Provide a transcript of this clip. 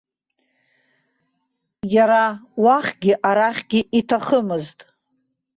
Иара уахьгьы арахьгьы иҭахымызт.